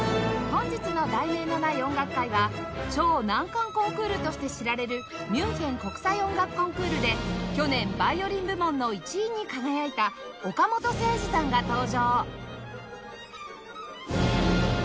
本日の『題名のない音楽会』は超難関コンクールとして知られるミュンヘン国際音楽コンクールで去年ヴァイオリン部門の１位に輝いた岡本誠司さんが登場